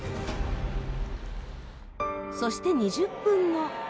そして２０分後。